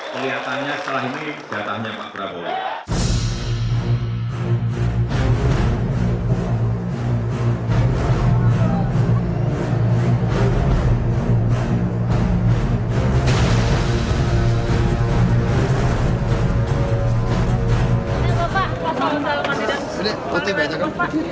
kelihatannya setelah ini datangnya pak prabowo